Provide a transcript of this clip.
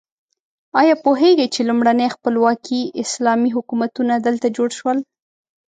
ایا پوهیږئ چې لومړني خپلواکي اسلامي حکومتونه دلته جوړ شول؟